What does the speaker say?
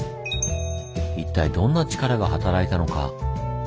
一体どんな力が働いたのか？